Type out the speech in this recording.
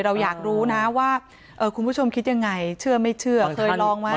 เราอยากรู้นะว่าคุณผู้ชมคิดยังไงเชื่อไม่เชื่อเคยลองไหม